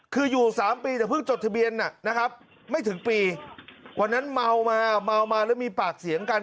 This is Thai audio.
คืออยู่๓ปีแต่เพิ่งจดทะเบียนนะครับไม่ถึงปีวันนั้นเมามาเมามาแล้วมีปากเสียงกัน